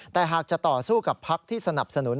แต่หากจะต่อสู้กับพักที่สนับสนุน